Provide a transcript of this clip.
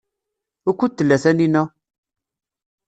Wukud tella Taninna?